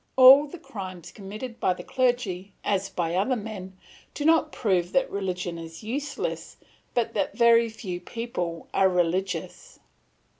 All the crimes committed by the clergy, as by other men, do not prove that religion is useless, but that very few people are religious.